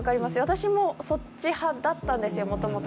私もそっち派だったんですよ、もともと。